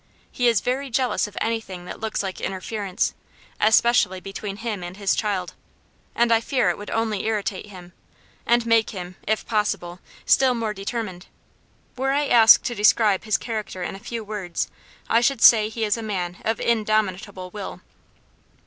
He is very jealous of anything that looks like interference, especially between him and his child, and I fear it would only irritate him, and make him, if possible, still more determined. Were I asked to describe his character in a few words, I should say he is a man of indomitable will."